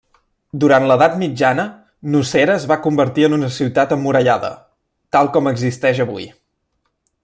Durant l'Edat Mitjana, Nocera es va convertir en una ciutat emmurallada, tal com existeix avui.